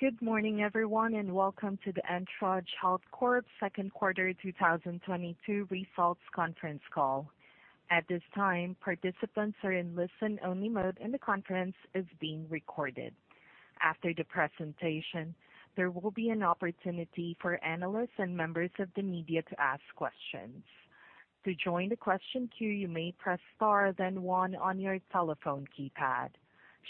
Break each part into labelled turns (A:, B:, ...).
A: Good morning everyone and welcome to the Entourage Health Corp second quarter 2022 results conference call. At this time, participants are in listen-only mode, and the conference is being recorded. After the presentation, there will be an opportunity for analysts and members of the media to ask questions. To join the question queue, you may press Star then one on your telephone keypad.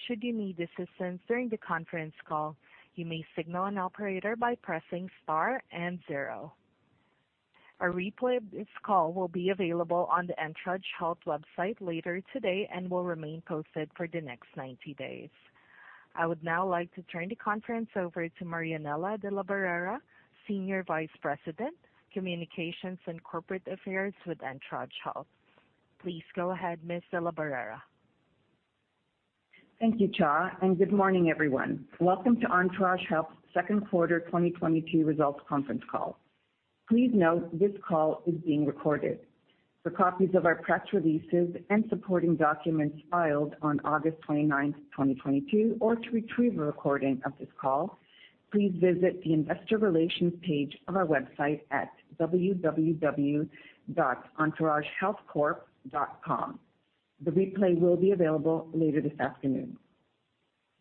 A: Should you need assistance during the conference call, you may signal an operator by pressing Star and zero. A replay of this call will be available on the Entourage Health website later today and will remain posted for the next 90 days. I would now like to turn the conference over to Marianella DeLaBarrera, Senior Vice President, Communications & Corporate Affairs with Entourage Health. Please go ahead, Ms. DeLaBarrera.
B: Thank you, Chad, and good morning everyone. Welcome to Entourage Health's second quarter 2022 results conference call. Please note this call is being recorded. For copies of our press releases and supporting documents filed on August 29th, 2022, or to retrieve a recording of this call, please visit the investor relations page of our website at www.entouragehealthcorp.com. The replay will be available later this afternoon.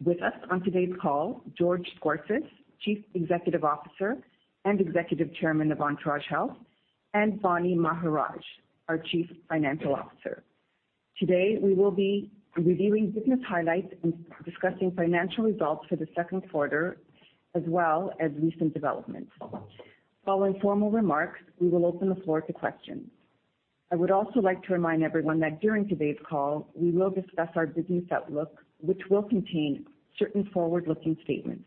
B: With us on today's call, George Scorsis, Chief Executive Officer and Executive Chairman of Entourage Health, and Vaani Maharaj, our Chief Financial Officer. Today, we will be reviewing business highlights and discussing financial results for the second quarter, as well as recent developments. Following formal remarks, we will open the floor to questions. I would also like to remind everyone that during today's call, we will discuss our business outlook, which will contain certain forward-looking statements.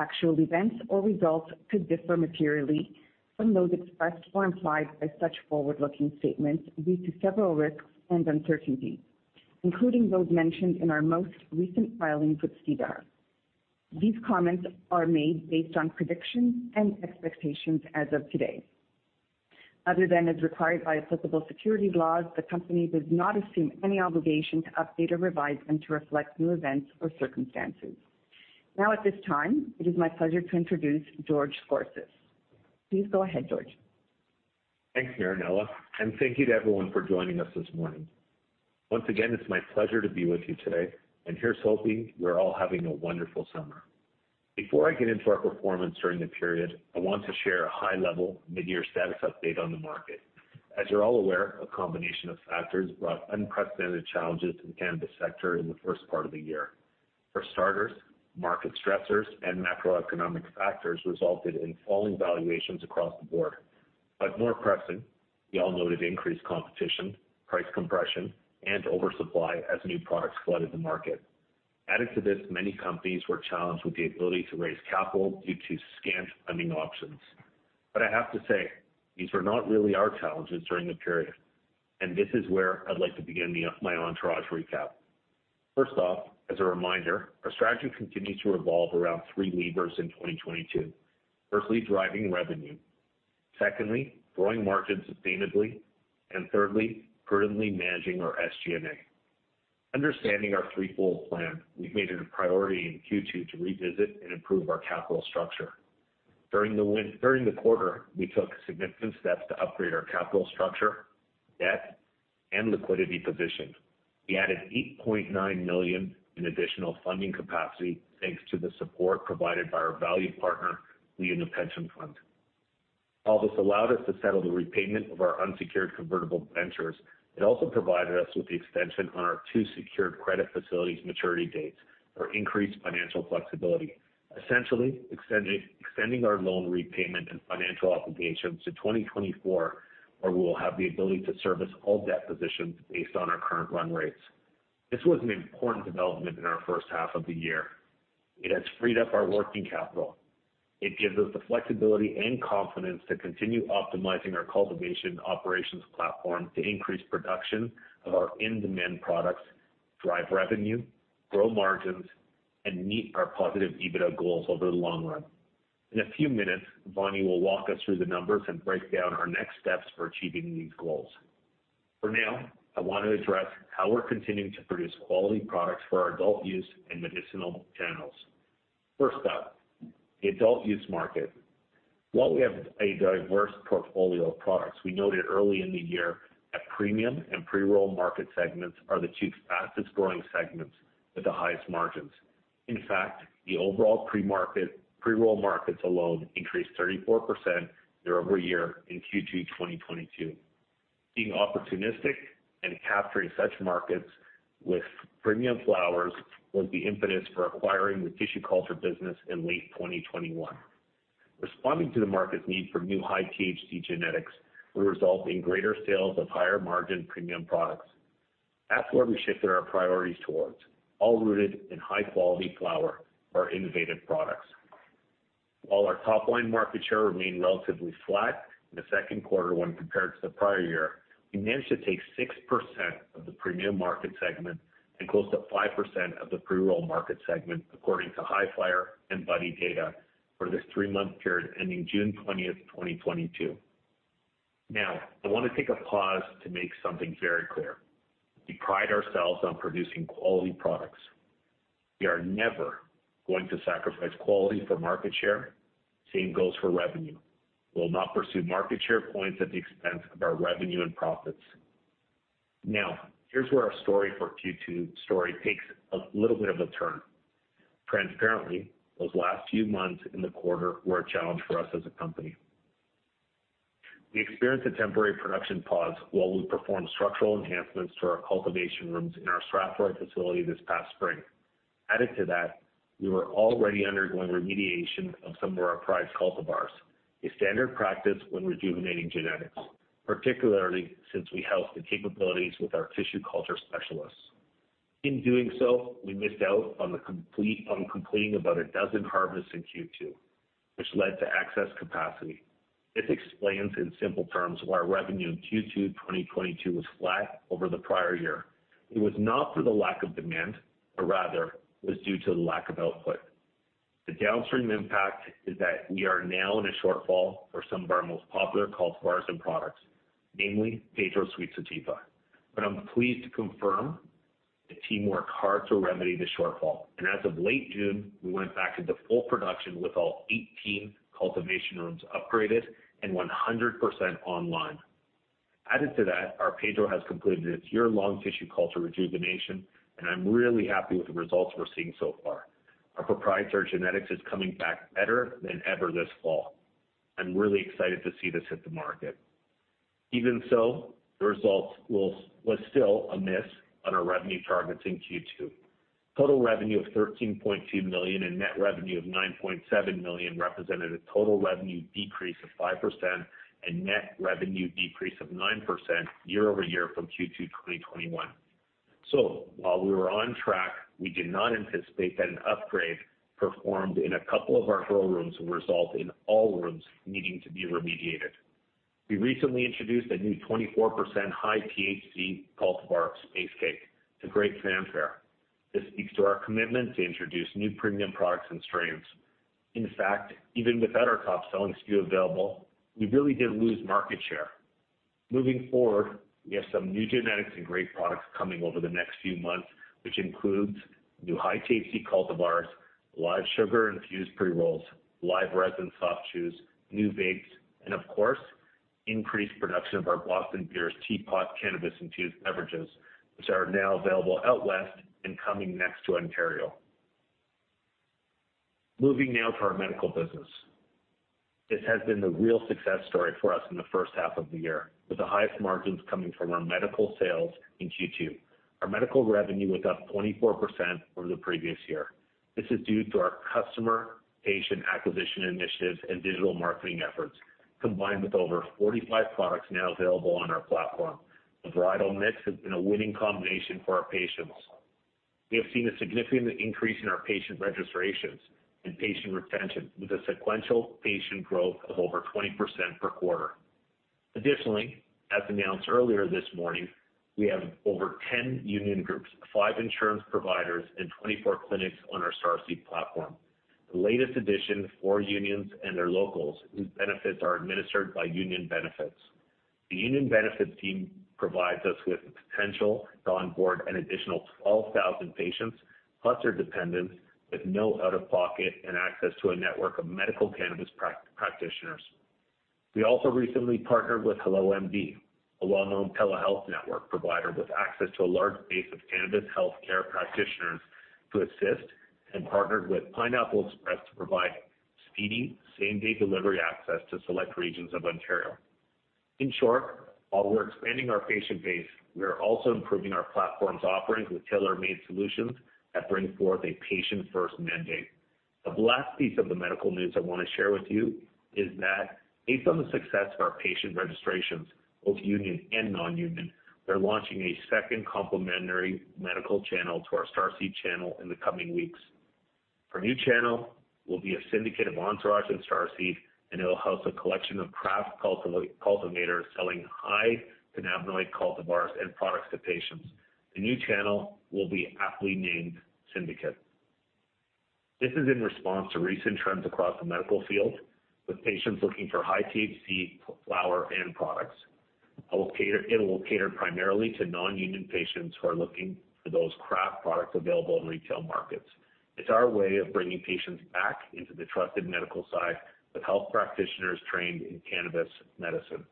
B: Actual events or results could differ materially from those expressed or implied by such forward-looking statements due to several risks and uncertainties, including those mentioned in our most recent filings with SEDAR. These comments are made based on predictions and expectations as of today. Other than as required by applicable security laws, the company does not assume any obligation to update or revise them to reflect new events or circumstances. Now at this time, it is my pleasure to introduce George Scorsis. Please go ahead, George.
C: Thanks, Marianella, and thank you to everyone for joining us this morning. Once again, it's my pleasure to be with you today, and here's hoping we're all having a wonderful summer. Before I get into our performance during the period, I want to share a high-level mid-year status update on the market. As you're all aware, a combination of factors brought unprecedented challenges to the cannabis sector in the first part of the year. For starters, market stressors and macroeconomic factors resulted in falling valuations across the board. More pressing, we all noted increased competition, price compression, and oversupply as new products flooded the market. Added to this, many companies were challenged with the ability to raise capital due to scant funding options. I have to say, these were not really our challenges during the period, and this is where I'd like to begin my Entourage recap. First off, as a reminder, our strategy continues to revolve around three levers in 2022. Firstly, driving revenue. Secondly, growing margins sustainably. And thirdly, prudently managing our SG&A. Understanding our threefold plan, we've made it a priority in Q2 to revisit and improve our capital structure. During the quarter, we took significant steps to upgrade our capital structure, debt, and liquidity position. We added 8.9 million in additional funding capacity thanks to the support provided by our valued partner, LiUNA Pension Fund. While this allowed us to settle the repayment of our unsecured convertible debentures, it also provided us with the extension on our two secured credit facilities maturity dates for increased financial flexibility, essentially extending our loan repayment and financial obligations to 2024, where we'll have the ability to service all debt positions based on our current run rates. This was an important development in our first half of the year. It has freed up our working capital. It gives us the flexibility and confidence to continue optimizing our cultivation operations platform to increase production of our in-demand products, drive revenue, grow margins, and meet our positive EBITDA goals over the long run. In a few minutes, Vaani will walk us through the numbers and break down our next steps for achieving these goals. For now, I want to address how we're continuing to produce quality products for our adult use and medicinal channels. First up, the adult use market. While we have a diverse portfolio of products, we noted early in the year that premium and pre-roll market segments are the two fastest-growing segments with the highest margins. In fact, the overall pre-roll markets alone increased 34% year-over-year in Q2 2022. Being opportunistic and capturing such markets with premium flowers was the impetus for acquiring the tissue culture business in late 2021. Responding to the market's need for new high-THC genetics will result in greater sales of higher-margin premium products. That's where we shifted our priorities towards, all rooted in high-quality flower or innovative products. While our top-line market share remained relatively flat in the second quarter when compared to the prior year, we managed to take 6% of the premium market segment and close to 5% of the pre-roll market segment, according to Hifyre and Buddi data for this three-month period ending June 20th, 2022. Now, I want to take a pause to make something very clear. We pride ourselves on producing quality products. We are never going to sacrifice quality for market share. Same goes for revenue. We'll not pursue market share points at the expense of our revenue and profits. Now, here's where our story for Q2 takes a little bit of a turn. Transparently, those last few months in the quarter were a challenge for us as a company. We experienced a temporary production pause while we performed structural enhancements to our cultivation rooms in our Strathroy facility this past spring. Added to that, we were already undergoing remediation of some of our prized cultivars, a standard practice when rejuvenating genetics, particularly since we house the capabilities with our tissue culture specialists. In doing so, we missed out on completing about a dozen harvests in Q2, which led to excess capacity. This explains in simple terms why revenue in Q2 2022 was flat over the prior year. It was not for the lack of demand, but rather it was due to the lack of output. The downstream impact is that we are now in a shortfall for some of our most popular cultivars and products, namely Pedro's Sweet Sativa. I'm pleased to confirm the team worked hard to remedy the shortfall, and as of late June, we went back into full production with all 18 cultivation rooms upgraded and 100% online. Added to that, our Pedro has completed its year-long tissue culture rejuvenation, and I'm really happy with the results we're seeing so far. Our proprietary genetics is coming back better than ever this fall. I'm really excited to see this hit the market. Even so, the results was still a miss on our revenue targets in Q2. Total revenue of 13.2 million and net revenue of 9.7 million represented a total revenue decrease of 5% and net revenue decrease of 9% year-over-year from Q2 2021. While we were on track, we did not anticipate that an upgrade performed in a couple of our grow rooms would result in all rooms needing to be remediated. We recently introduced a new 24% high THC cultivar Space Cake to great fanfare. This speaks to our commitment to introduce new premium products and strains. In fact, even without our top-selling SKU available, we really didn't lose market share. Moving forward, we have some new genetics and great products coming over the next few months, which includes new high-THC cultivars, live sugar-infused pre-rolls, live resin soft chews, new vapes, and of course, increased production of our TeaPot cannabis-infused beverages, which are now available out West and coming next to Ontario. Moving now to our medical business. This has been the real success story for us in the first half of the year, with the highest margins coming from our medical sales in Q2. Our medical revenue was up 24% over the previous year. This is due to our customer patient acquisition initiatives and digital marketing efforts, combined with over 45 products now available on our platform. The varietal mix has been a winning combination for our patients. We have seen a significant increase in our patient registrations and patient retention, with a sequential patient growth of over 20% per quarter. Additionally, as announced earlier this morning, we have over 10 union groups, five insurance providers, and 24 clinics on our Starseed platform. The latest addition, four unions and their locals, whose benefits are administered by Union Benefits. The Union Benefits team provides us with the potential to onboard an additional 12,000 patients plus their dependents with no out-of-pocket and access to a network of medical cannabis practitioners. We also recently partnered with HelloMD, a well-known telehealth network provider with access to a large base of cannabis healthcare practitioners to assist and partnered with Pineapple Express to provide speedy same-day delivery access to select regions of Ontario. In short, while we're expanding our patient base, we are also improving our platform's offerings with tailor-made solutions that bring forth a patient-first mandate. The last piece of the medical news I want to share with you is that based on the success of our patient registrations, both union and non-union, we're launching a second complementary medical channel to our Starseed channel in the coming weeks. Our new channel will be a syndicate of Entourage and Starseed, and it will house a collection of craft cultivators selling high cannabinoid cultivars and products to patients. The new channel will be aptly named Syndicate. This is in response to recent trends across the medical field, with patients looking for high THC flower and products. It will cater primarily to non-union patients who are looking for those craft products available in retail markets. It's our way of bringing patients back into the trusted medical side with health practitioners trained in cannabis medicine.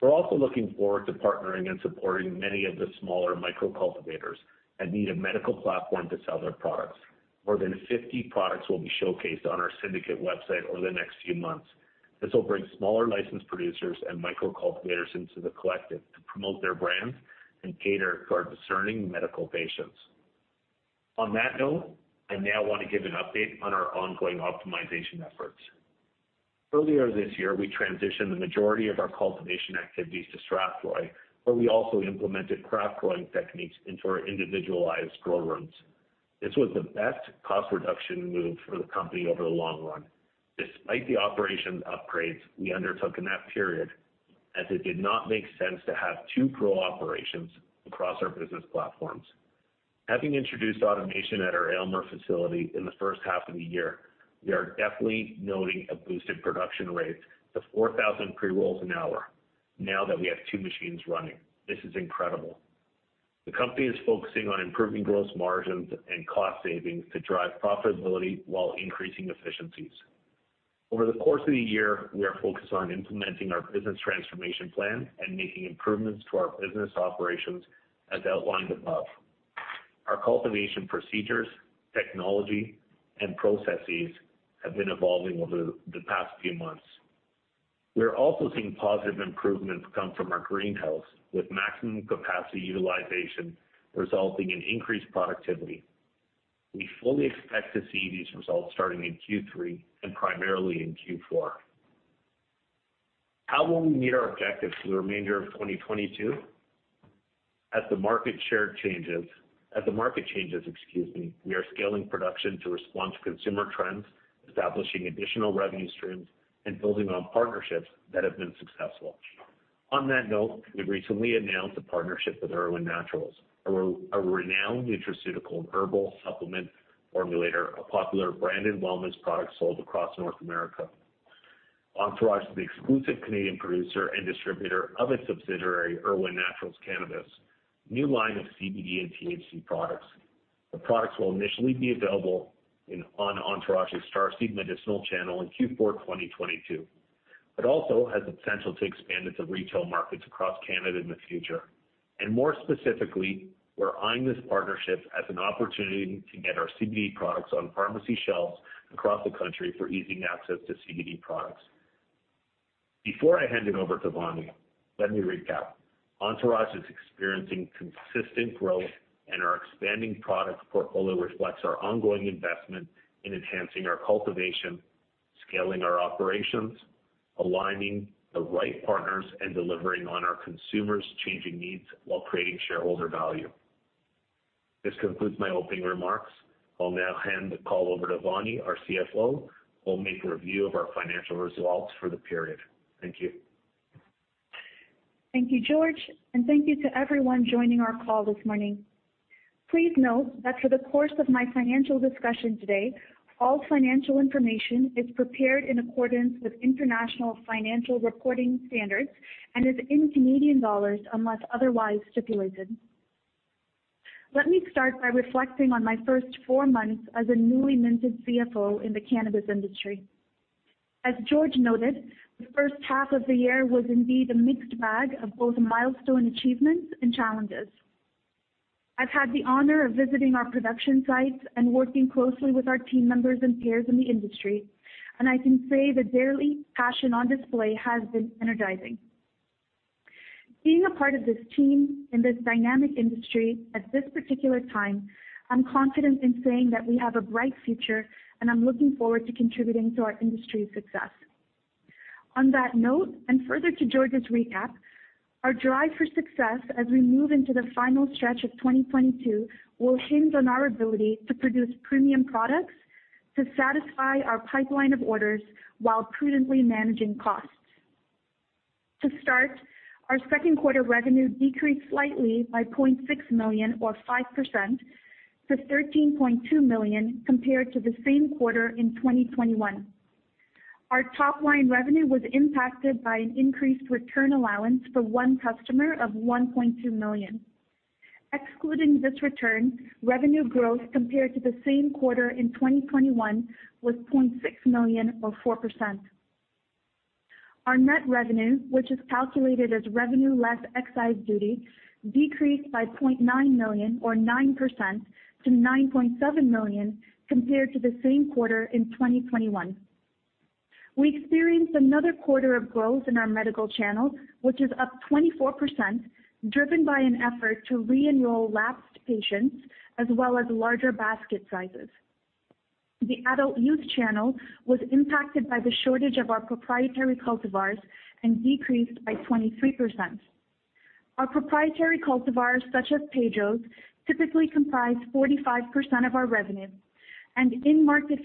C: We're also looking forward to partnering and supporting many of the smaller micro cultivators that need a medical platform to sell their products. More than 50 products will be showcased on our Syndicate website over the next few months. This will bring smaller licensed producers and micro cultivators into the collective to promote their brands and cater to our discerning medical patients. On that note, I now want to give an update on our ongoing optimization efforts. Earlier this year, we transitioned the majority of our cultivation activities to Strathroy, where we also implemented craft growing techniques into our individualized grow rooms. This was the best cost reduction move for the company over the long run. Despite the operations upgrades we undertook in that period, as it did not make sense to have two grow operations across our business platforms. Having introduced automation at our Aylmer facility in the first half of the year, we are definitely noting a boost in production rates to 4,000 pre-rolls an hour now that we have two machines running. This is incredible. The company is focusing on improving gross margins and cost savings to drive profitability while increasing efficiencies. Over the course of the year, we are focused on implementing our business transformation plan and making improvements to our business operations as outlined above. Our cultivation procedures, technology, and processes have been evolving over the past few months. We're also seeing positive improvements come from our greenhouse, with maximum capacity utilization resulting in increased productivity. We fully expect to see these results starting in Q3 and primarily in Q4. How will we meet our objectives for the remainder of 2022? As the market changes, excuse me, we are scaling production to respond to consumer trends, establishing additional revenue streams, and building on partnerships that have been successful. On that note, we recently announced a partnership with Irwin Naturals, a renowned nutraceutical and herbal supplement formulator, a popular branded wellness product sold across North America. Entourage is the exclusive Canadian producer and distributor of its subsidiary, Irwin Naturals Cannabis, new line of CBD and THC products. The products will initially be available on Entourage's Starseed Medicinal channel in Q4 2022. It also has the potential to expand into retail markets across Canada in the future. More specifically, we're eyeing this partnership as an opportunity to get our CBD products on pharmacy shelves across the country for easing access to CBD products. Before I hand it over to Vaani, let me recap. Entourage is experiencing consistent growth, and our expanding product portfolio reflects our ongoing investment in enhancing our cultivation, scaling our operations, aligning the right partners, and delivering on our consumers' changing needs while creating shareholder value. This concludes my opening remarks. I'll now hand the call over to Vaani, our CFO, who will make a review of our financial results for the period. Thank you.
D: Thank you, George, and thank you to everyone joining our call this morning. Please note that for the course of my financial discussion today, all financial information is prepared in accordance with International Financial Reporting Standards and is in Canadian dollars unless otherwise stipulated. Let me start by reflecting on my first four months as a newly minted CFO in the cannabis industry. As George noted, the first half of the year was indeed a mixed bag of both milestone achievements and challenges. I've had the honor of visiting our production sites and working closely with our team members and peers in the industry, and I can say the daily passion on display has been energizing. Being a part of this team in this dynamic industry at this particular time, I'm confident in saying that we have a bright future, and I'm looking forward to contributing to our industry's success. On that note, and further to George's recap, our drive for success as we move into the final stretch of 2022 will hinge on our ability to produce premium products to satisfy our pipeline of orders while prudently managing costs. To start, our second quarter revenue decreased slightly by 0.6 million or 5% to 13.2 million compared to the same quarter in 2021. Our top-line revenue was impacted by an increased return allowance for one customer of 1.2 million. Excluding this return, revenue growth compared to the same quarter in 2021 was 0.6 million or 4%. Our net revenue, which is calculated as revenue less excise duty, decreased by 0.9 million or 9% to 9.7 million compared to the same quarter in 2021. We experienced another quarter of growth in our medical channel, which is up 24%, driven by an effort to re-enroll lapsed patients as well as larger basket sizes. The adult use channel was impacted by the shortage of our proprietary cultivars and decreased by 23%. Our proprietary cultivars, such as Pedro, typically comprise 45% of our revenue, and in-market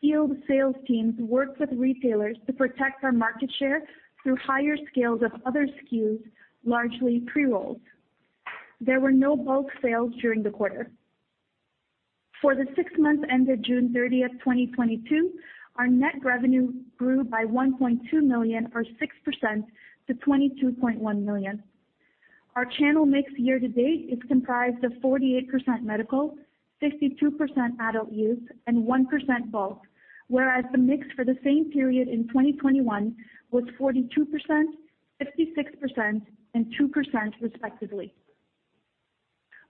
D: field sales teams work with retailers to protect our market share through higher scales of other SKUs, largely pre-rolls. There were no bulk sales during the quarter. For the six months ended June 30th, 2022, our net revenue grew by 1.2 million or 6% to 22.1 million. Our channel mix year to date is comprised of 48% medical, 62% adult use, and 1% bulk, whereas the mix for the same period in 2021 was 42%, 56%, and 2% respectively.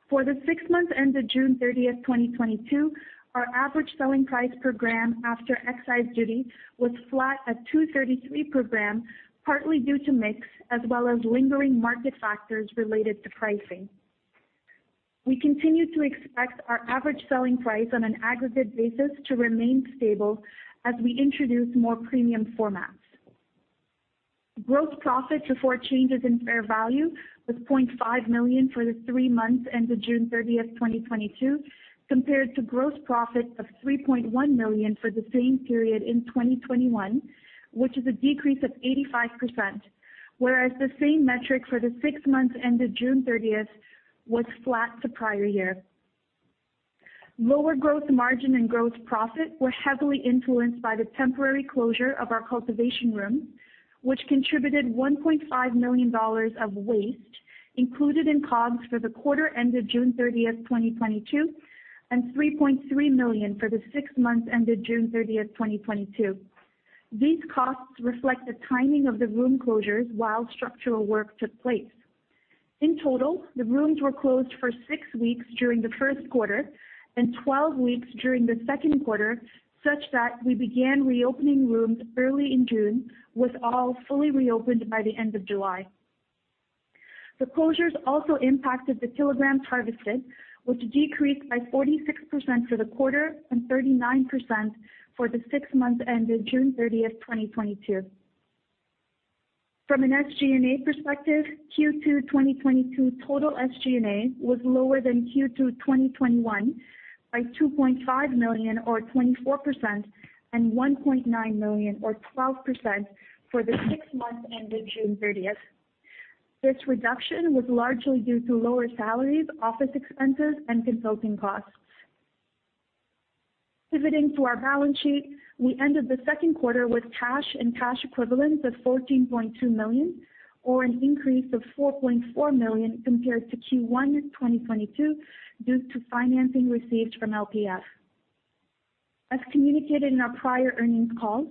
D: For the six months ended June 30th, 2022, our average selling price per gram after excise duty was flat at 2.33 per gram, partly due to mix as well as lingering market factors related to pricing. We continue to expect our average selling price on an aggregate basis to remain stable as we introduce more premium formats. Gross profit before changes in fair value was 0.5 million for the three months ended June 30th, 2022, compared to gross profit of 3.1 million for the same period in 2021, which is a decrease of 85%. Whereas the same metric for the six months ended June 30th was flat to prior year. Lower gross margin and gross profit were heavily influenced by the temporary closure of our cultivation room, which contributed 1.5 million dollars of waste included in COGS for the quarter ended June 30th, 2022, and 3.3 million for the six months ended June 30th, 2022. These costs reflect the timing of the room closures while structural work took place. In total, the rooms were closed for six weeks during the first quarter and 12 weeks during the second quarter, such that we began reopening rooms early in June, with all fully reopened by the end of July. The closures also impacted the kilograms harvested, which decreased by 46% for the quarter and 39% for the six months ended June 30, 2022. From an SG&A perspective, Q2 2022 total SG&A was lower than Q2 2021 by 2.5 million or 24% and 1.9 million or 12% for the six months ended June 30th. This reduction was largely due to lower salaries, office expenses, and consulting costs. Pivoting to our balance sheet, we ended the second quarter with cash and cash equivalents of 14.2 million, or an increase of 4.4 million compared to Q1 2022 due to financing received from LPF. As communicated in our prior earnings call,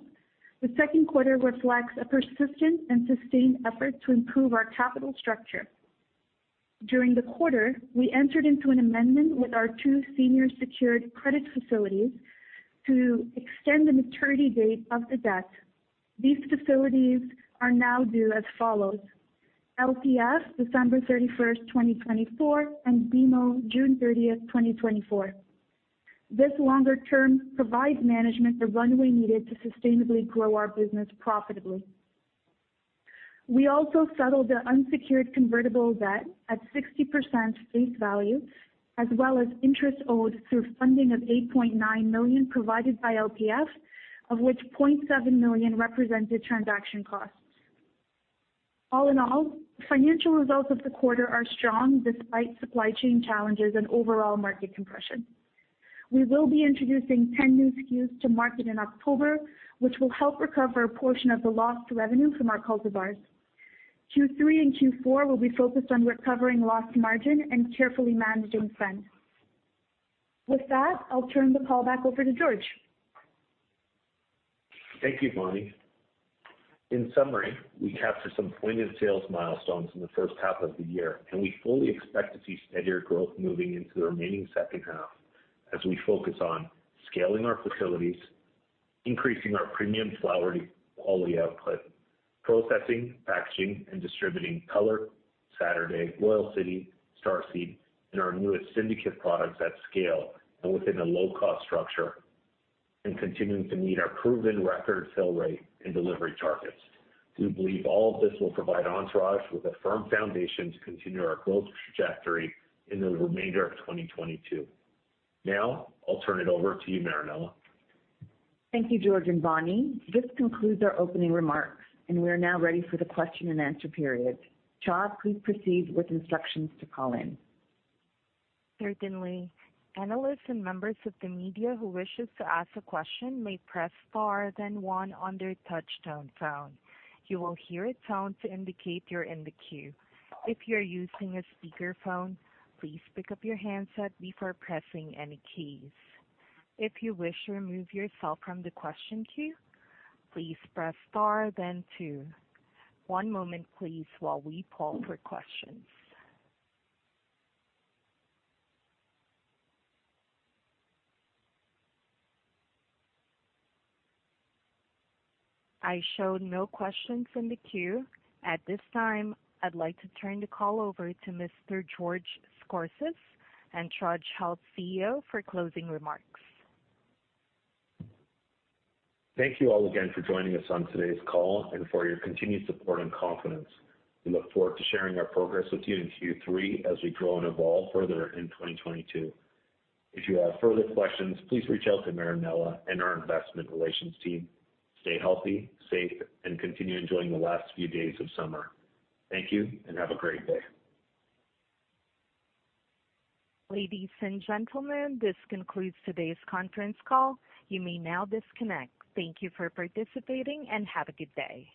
D: the second quarter reflects a persistent and sustained effort to improve our capital structure. During the quarter, we entered into an amendment with our two senior secured credit facilities to extend the maturity date of the debt. These facilities are now due as follows. LPF, December 31st, 2024, and BMO, June 30th, 2024. This longer term provides management the runway needed to sustainably grow our business profitably. We also settled the unsecured convertible debt at 60% face value as well as interest owed through funding of 8.9 million provided by LPF, of which 0.7 million represented transaction costs. All in all, financial results of the quarter are strong despite supply chain challenges and overall market compression. We will be introducing 10 new SKUs to market in October, which will help recover a portion of the lost revenue from our cultivars. Q3 and Q4 will be focused on recovering lost margin and carefully managing spend. With that, I'll turn the call back over to George.
C: Thank you, Vaani. In summary, we captured some pointed sales milestones in the first half of the year, and we fully expect to see steadier growth moving into the remaining second half as we focus on scaling our facilities, increasing our premium flower quality output, processing, packaging, and distributing Color, Saturday, Royal City, Starseed, and our newest Syndicate products at scale and within a low-cost structure, and continuing to meet our proven record sell rate and delivery targets. We believe all of this will provide Entourage with a firm foundation to continue our growth trajectory in the remainder of 2022. Now, I'll turn it over to you, Marianella.
B: Thank you, George and Vaani. This concludes our opening remarks, and we are now ready for the question-and-answer period. Chad, please proceed with instructions to call in.
A: Certainly. Analysts and members of the media who wish to ask a question may press star then one on their touchtone phone. You will hear a tone to indicate you're in the queue. If you're using a speakerphone, please pick up your handset before pressing any keys. If you wish to remove yourself from the question queue, please press star then two. One moment, please, while we poll for questions. I show no questions in the queue. At this time, I'd like to turn the call over to Mr. George Scorsis, Entourage Health CEO, for closing remarks.
C: Thank you all again for joining us on today's call and for your continued support and confidence. We look forward to sharing our progress with you in Q3 as we grow and evolve further in 2022. If you have further questions, please reach out to Marianella and our investment relations team. Stay healthy, safe, and continue enjoying the last few days of summer. Thank you and have a great day.
A: Ladies and gentlemen, this concludes today's conference call. You may now disconnect. Thank you for participating and have a good day.